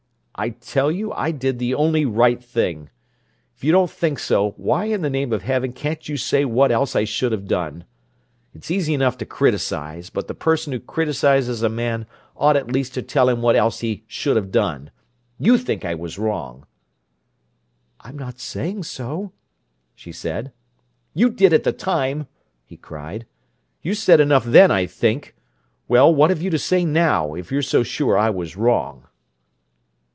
"I tell you I did the only right thing! If you don't think so, why in the name of heaven can't you say what else I should have done? It's easy enough to criticize, but the person who criticizes a man ought at least to tell him what else he should have done! You think I was wrong!" "I'm not saying so," she said. "You did at the time!" he cried. "You said enough then, I think! Well, what have you to say now, if you're so sure I was wrong?"